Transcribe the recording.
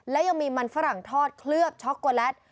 และยังมีมันฝรั่งทอดเคลือบช็อกโกแลต